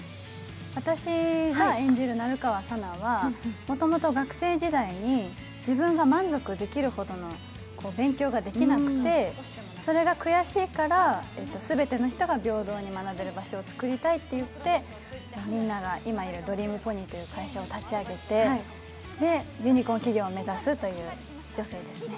私が演じる成川佐奈はもともと学生時代に自分が満足できるほど勉強ができなくてそれが悔しいから、全ての人が平等に学べる場所を作りたいと言ってみんなが今いるドリームポニーという会社を立ち上げて、ユニコーン企業を目指すという女性ですね。